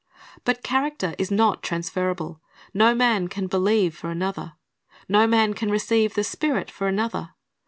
"^ But character is not transferable. No man can believe for another. No man can receive the Spirit for another.